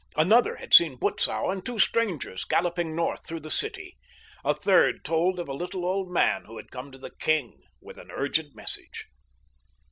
Another had seen Butzow and two strangers galloping north through the city. A third told of a little old man who had come to the king with an urgent message.